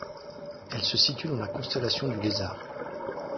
Elle se situe dans la constellation du Lézard.